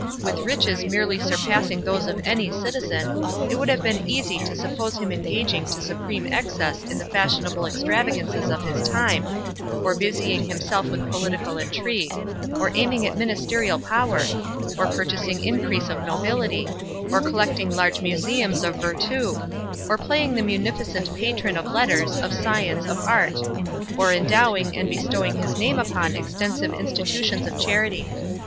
With riches merely surpassing those of any citizen, it would have been easy to suppose him engaging to supreme excess in the fashionable extravagances of his time—or busying himself with political intrigue—or aiming at ministerial power—or purchasing increase of nobility—or collecting large museums of virtu—or playing the munificent patron of letters, of science, of art—or endowing, and bestowing his name upon extensive institutions of charity.